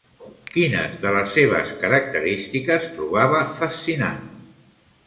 Quines de les seves característiques trobava fascinants?